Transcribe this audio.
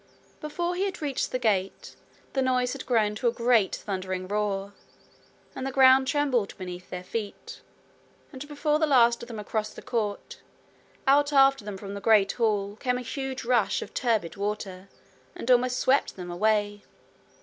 Before he had reached the gate, the noise had grown to a great thundering roar, and the ground trembled beneath their feet, and before the last of them had crossed the court, out after them from the great hall door came a huge rush of turbid water, and almost swept them away.